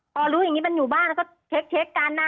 พอรู้อย่างนี้มันอยู่บ้างแล้วชักการนะ